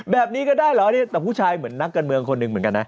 แบบนี้ก็ได้เหรออันนี้แต่ผู้ชายเหมือนนักการเมืองคนหนึ่งเหมือนกันนะ